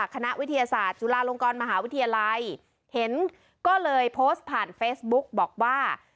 คณะวิทยาศาสตร์จุฬาลงกรมหาวิทยาลัยเห็นก็เลยโพสต์ผ่านเฟซบุ๊กบอกว่า